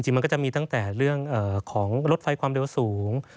มันก็จะมีตั้งแต่เรื่องของรถไฟความเร็วสูง